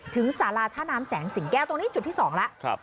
ถึงสาราธนามแสงสิงแก้วตรงนี้จุดที่สองแล้ว